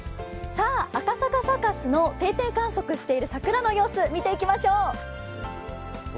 赤坂サカスの定点観測している桜の様子、見ていきましょう。